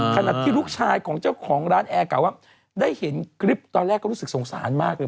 ขณะที่ลูกชายของเจ้าของร้านแอร์กล่าวว่าได้เห็นคลิปตอนแรกก็รู้สึกสงสารมากเลย